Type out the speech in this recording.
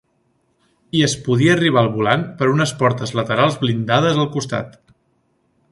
I es podia arribar al volant per unes portes laterals blindades al costat.